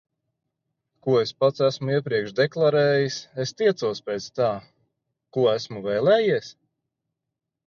Ko es pats esmu iepriekš deklarējis, es tiecos pēc tā. Ko esmu vēlējies?